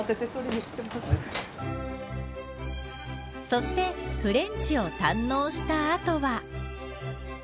そしてフレンチを堪能した後は。